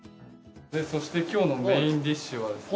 そして今日のメインディッシュはですね。